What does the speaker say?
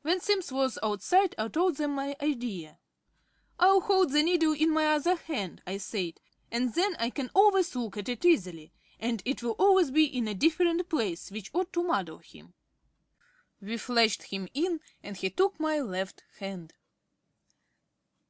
When Simms was outside I told them my idea. "I'll hold the needle in my other hand," I said, "and then I can always look at it easily, and it will always be in a different place, which ought to muddle him." We fetched him in, and he took my left hand....